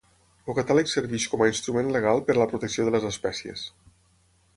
El catàleg serveix com a instrument legal per a la protecció de les espècies.